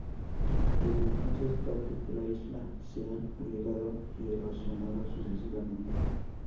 Desde entonces, partes de la isla se han agregado y erosionado sucesivamente.